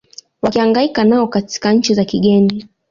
wakihangaika nao katika nchi za kigeni